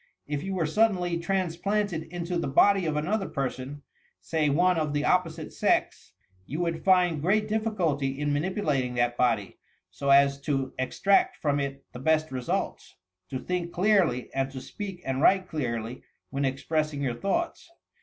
If you were suddenly transplanted into the body of aiiolker per son (say one of the opposite sex), you would find great difficulty in manipulating that body, so as to extract from it the best results — to think clearly and to speak and write clearly, when expressing your thoughts.